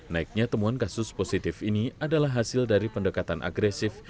naiknya temuan kasus positif ini adalah hasil dari pendekatan agresif